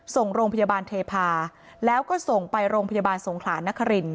ส่งโรงพยาบาลเทพาแล้วก็ส่งไปโรงพยาบาลสงขลานนคริน